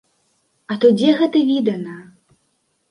А то дзе гэта відана.